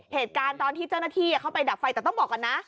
เหตุการณ์ตอนที่เจ้าหน้าที่เข้าไปดับไฟแต่ต้องบอกก่อนนะ